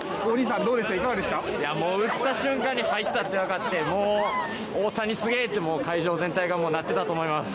打った瞬間に入ったと思って大谷すげー！って会場なってたと思います。